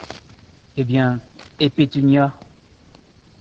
Eh bien, et Pétunia ?